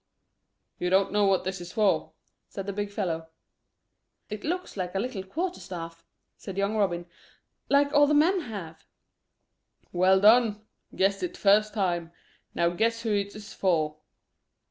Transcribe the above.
"You don't know what this is for," said the big fellow. "It looks like a little quarter staff," said young Robin, "like all the men have." "Well done. Guessed it first time. Now guess who it is for?"